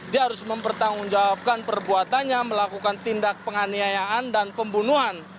dia harus mempertanggungjawabkan perbuatannya melakukan tindak penganiayaan dan pembunuhan